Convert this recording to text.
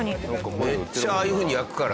めっちゃああいう風に焼くからね。